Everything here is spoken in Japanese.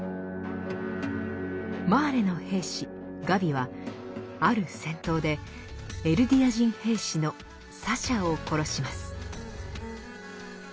マーレの兵士・ガビはある戦闘でエルディア人兵士のサシャを殺します。